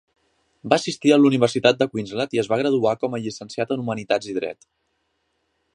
Va assistir a l"universitat de Queensland i es va graduar com a llicenciat en humanitats i dret.